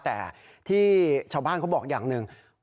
แต่ที่ชาวบ้านเขาบอกอย่างหนึ่ง